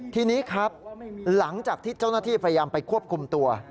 ทีนี้ครับหลังจากที่เจ้าหน้าที่พยายามไปควบคุมตัว